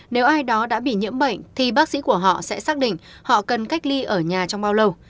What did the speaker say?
nếu ai đó đã bị nhiễm bệnh thì bác sĩ của họ sẽ xác định họ cần cách ly ở nhà trong bao lâu